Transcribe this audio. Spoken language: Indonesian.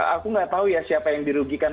aku nggak tahu ya siapa yang dirugikan